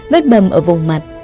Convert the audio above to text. vết bầm ở vùng mặt